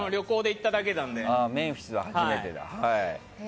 メンフィスは初めてだ。